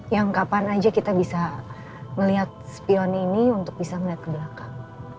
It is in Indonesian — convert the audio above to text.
yang kapan aja kita bisa melihat spion ini untuk bisa melihat ke belakang